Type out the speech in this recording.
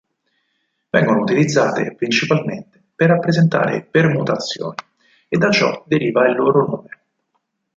Vengono utilizzate principalmente per rappresentare permutazioni e da ciò deriva il loro nome.